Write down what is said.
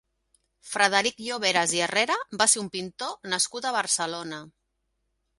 Frederic Lloveras i Herrera va ser un pintor nascut a Barcelona.